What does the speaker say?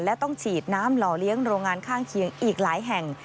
และต้องฉีดน้ำหล่อเลี้ยงโรงงานข้างเคียงอีกหลายแห่ง